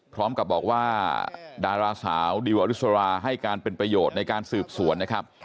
พร้อมกับบอกว่าดาราสาวดิวอริสราให้การเป็นประโยชน์ในการสืบสวนนะครับ